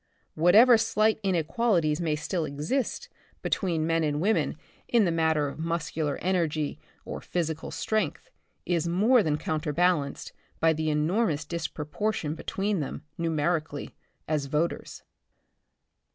Whatever slight inequalities may still exist between men The Republic of the Future, 43 and women in the matter of muscular energy or physical strength is more than counter balanced by the enormous disproportion be tween them, numerically, as voters.